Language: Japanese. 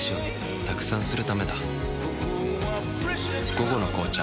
「午後の紅茶」